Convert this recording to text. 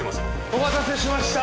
お待たせしました！